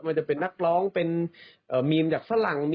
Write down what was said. จะเป็นนักร้องเป็นมีมจากฝรั่ง